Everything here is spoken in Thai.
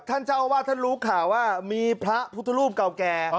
ท่านเจ้าอาวาสท่านรู้ข่าวว่ามีพระพุทธรูปเก่าแก่